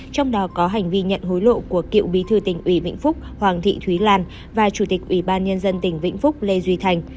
trong đó có hành vi nhận hối lộ của cựu bí thư tỉnh ủy vĩnh phúc hoàng thị thúy lan và chủ tịch ủy ban nhân dân tỉnh vĩnh phúc lê duy thành